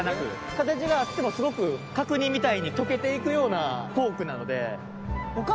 形があってもすごく角煮みたいに溶けていくようなポークなので。